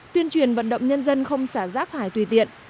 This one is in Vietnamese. tuyên truyền vận động nhân dân không xả rác thải tùy tiện